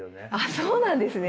そうなんですね！